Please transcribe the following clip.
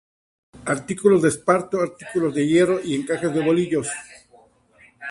Artículos de esparto, artículos de hierro y encaje de bolillos.